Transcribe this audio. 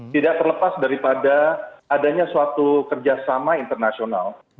tidak terlepas daripada adanya suatu kerjasama internasional